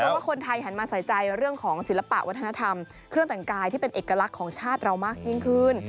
ว่าคนไทยหันมาใส่ใจเรื่องของศิลปะวัฒนธรรมเครื่องแต่งกายที่เป็นเอกลักษณ์ของชาติเรามากยิ่งขึ้น